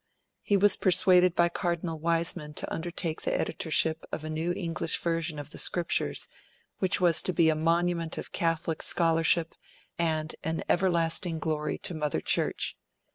He was persuaded by Cardinal Wiseman to undertake the editorship of a new English version of the Scriptures, which was to be a monument of Catholic scholarship and an everlasting glory to Mother Church.